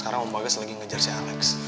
sekarang om bagas lagi ngejar si alex